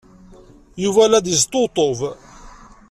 Yuba la d-yesṭebṭub.